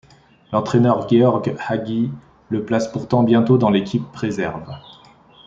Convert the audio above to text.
L’entraîneur Gheorghe Hagi le place pourtant bientôt dans l'équipe réserve.